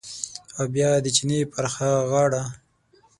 او بیا د چینې پر هغه غاړه